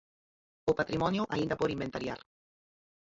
O patrimonio aínda por inventariar.